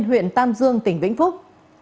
huyện tam dương tỉnh vĩnh phúc